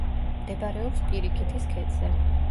მდებარეობს პირიქითის ქედზე.